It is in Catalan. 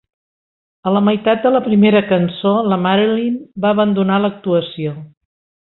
A la meitat de la primera cançó, la Marilyn va abandonar l'actuació.